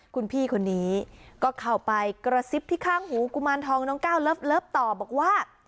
คุณพี่คนนี้ก็เข้าไปกระซิบที่ข้างหูกุมารทองน้องก้าวเลิฟต่อบอกว่า